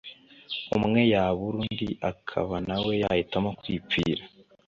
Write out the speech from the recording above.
umwe yabura undi akaba nawe yahitamo kwipfira.